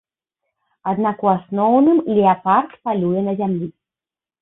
Аднак у асноўным леапард палюе на зямлі.